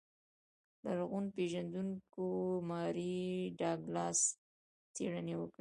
لرغون پېژندونکو ماري ډاګلاس څېړنې وکړې.